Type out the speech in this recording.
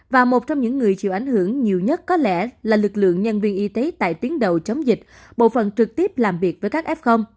và một trong những người chịu ảnh hưởng nhiều nhất có lẽ là lực lượng nhân viên y tế tại tuyến đầu chống dịch bộ phần trực tiếp làm việc với các f